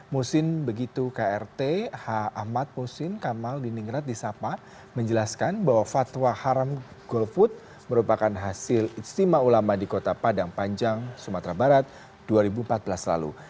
muhsin begitu k r t ahmad muhsin kamaludin ingrat di sapa menjelaskan bahwa fatwa haram golput merupakan hasil iktima ulama di kota padang panjang sumatera barat dua ribu empat belas lalu